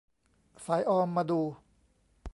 สายออมมาดู